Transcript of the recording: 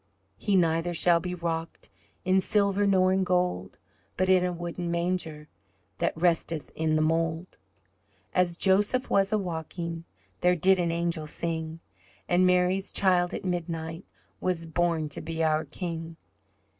"He neither shall be rocked In silver nor in gold, But in a wooden manger That resteth in the mould." As Joseph was a walking There did an angel sing, And Mary's child at midnight Was born to be our King.